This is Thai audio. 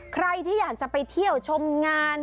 ใครที่อยากจะไปเที่ยวชมงาน